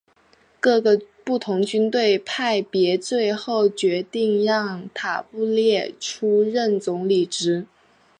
各个不同军队派别最后决定让塔列布出任总理职。